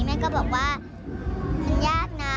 แม่ก็บอกว่ามันยากนะ